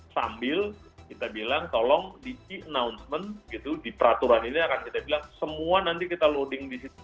sambil kita bilang tolong di e announcement gitu di peraturan ini akan kita bilang semua nanti kita loading di situ